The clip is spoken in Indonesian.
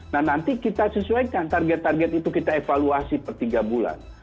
nah nanti kita sesuaikan target target itu kita evaluasi per tiga bulan